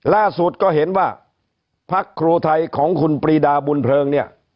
ล่าสุดก็เห็นว่าพักครูไทยของคุณปรีดาบุญเพลิงเนี่ย